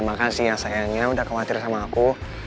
makasih ya sayangnya udah khawatir sama aku